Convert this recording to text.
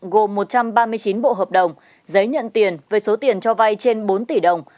gồm một trăm ba mươi chín bộ hợp đồng giấy nhận tiền với số tiền cho vay trên bốn tỷ đồng